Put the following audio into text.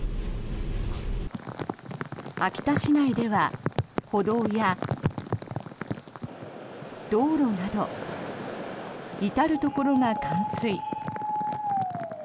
秋田市内では歩道や道路など至るところが冠水。